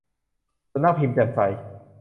สำนักพิมพ์แจ่มใส